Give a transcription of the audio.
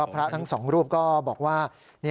พระทั้งสองรูปก็บอกว่า